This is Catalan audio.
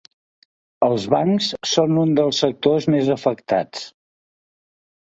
Els bancs són un dels sectors més afectats.